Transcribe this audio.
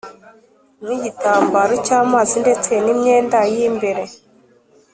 nk’igitambaro cy’amazi ndetse n’imyenda y’imbere